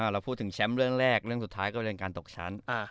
เราพูดถึงแชมป์เรื่องแรกเรื่องสุดท้ายก็เป็นการตกชั้น